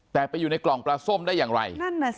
แตกไปอยู่ในกล่องปลาส้มได้อย่างไร